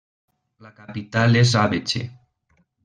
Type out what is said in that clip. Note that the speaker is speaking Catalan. La capital és Abéché.